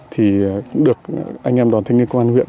thì cũng được anh em đoàn thanh niên công an huyện